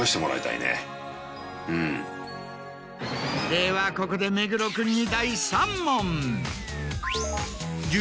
ではここで目黒君に。